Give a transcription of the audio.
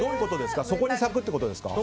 そこに咲くということですか？